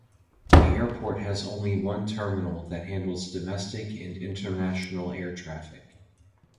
The airport has only one terminal that handles domestic and international air traffic.